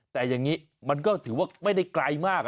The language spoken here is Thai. แต่อย่างนี้มันก็ถือว่าไม่ได้ไกลมาก